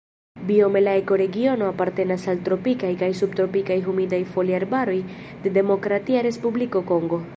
Biome la ekoregiono apartenas al tropikaj kaj subtropikaj humidaj foliarbaroj de Demokratia Respubliko Kongo.